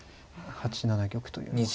８七玉というのは。